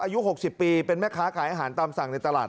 อายุ๖๐ปีเป็นแม่ค้าขายอาหารตามสั่งในตลาด